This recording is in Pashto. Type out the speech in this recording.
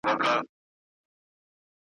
نه منزل چاته معلوم دی نه منزل ته څوک رسیږي `